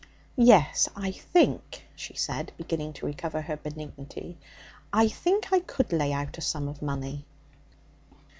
'Yes, I think,' she said, beginning to recover her benignity 'I think I could lay out a sum of money.'